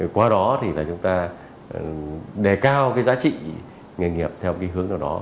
qua đó thì là chúng ta đề cao cái giá trị nghề nghiệp theo cái hướng nào đó